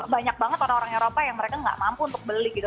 banyak banget orang orang eropa yang mereka nggak mampu untuk beli gitu